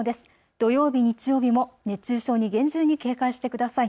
土曜日、日曜日も熱中症に厳重に警戒してください。